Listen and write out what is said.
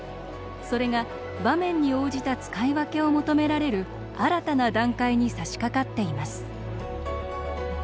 それが、場面に応じた使い分けを求められる新たな段階にさしかかっています。